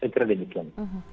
saya kira demikian